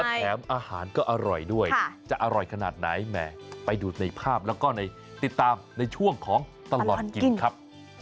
แถมอาหารก็อร่อยด้วยจะอร่อยขนาดไหนแหมไปดูในภาพแล้วก็ติดตามในช่วงของตลอดกินครับ